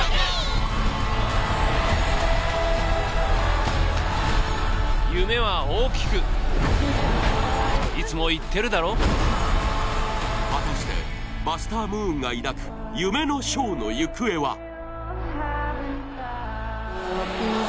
・夢は大きくいつも言ってるだろ果たしてバスター・ムーンが抱く夢のショーの行方は？